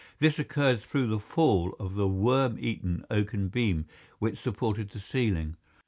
This occurred through the fall of the worm eaten oaken beam which supported the ceiling.